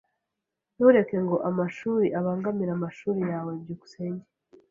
Ntureke ngo amashuri abangamire amashuri yawe. byukusenge